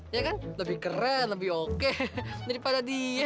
ya kan lebih keren lebih oke daripada dia